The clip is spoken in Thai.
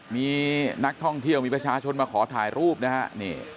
มีนักท่องเที่ยวมีประชาชนมาขอถ่ายรูปนะฮะ